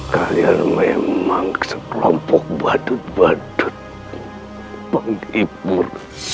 kalian memang sekelompok badut badut penghibur